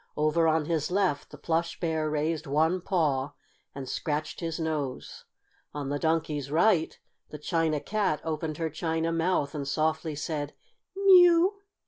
Over on his left the Plush Bear raised one paw and scratched his nose. On the Donkey's right the China Cat opened her china mouth and softly said: "Mew!"